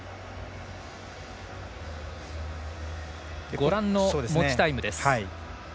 ご覧の持ちタイムです。